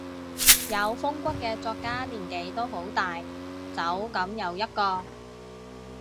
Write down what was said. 有風骨嘅作家年紀都好大，走噉又一個